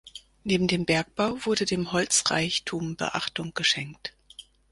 Neben dem Bergbau wurde dem Holzreichtum Beachtung geschenkt.